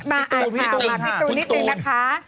มาอ่านข่าวมาพี่ตูนนิดนึงนะคะ